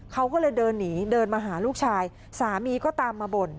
เขาก็เลยเดินหนีเดินมาหาลูกชายสามีก็ตามมาบ่น